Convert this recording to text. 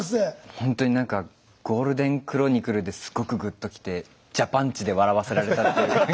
ほんとになんかゴールデンクロニクルですごくグッときてジャパンチで笑わせられたっていう。